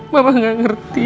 mama gak ngerti